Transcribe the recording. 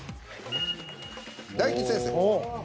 大吉先生。